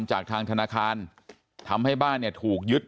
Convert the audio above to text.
จากทางธนาคารทำให้บ้านเนี่ยถูกยึด